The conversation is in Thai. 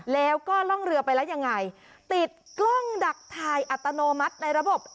แล้วก็ล่องเรือไปแล้วยังไงติดกล้องดักถ่ายอัตโนมัติในระบบ